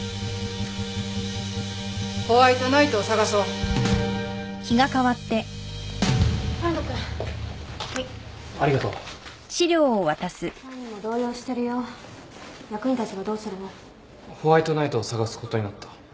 ホワイトナイトを探すことになった。